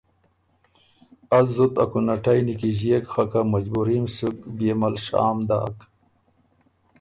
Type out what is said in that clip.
از زُت ا کُنټئ نیکیݫيېک خه که مجبُوري م سُک بيې مل شام داک۔